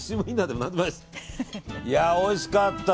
いや、おいしかった。